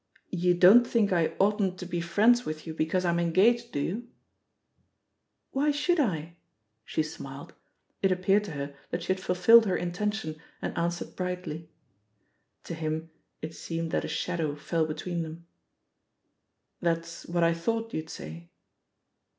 "You don't think I oughtn't to be friends with you because I'm engaged, do you?" "Why should I?" She smiled. It appeared to her that she had fulfilled her intention and answered brightly. To him it seemed that a shadow fell between them. "That's what I thought you'd say."